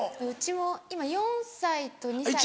うちも今４歳と２歳の。